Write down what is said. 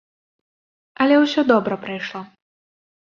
Але ўсё добра прайшло.